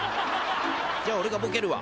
じゃあおれがボケるわ。